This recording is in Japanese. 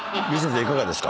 いかがですか？